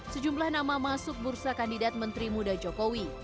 sejumlah nama masuk bursa kandidat menteri muda jokowi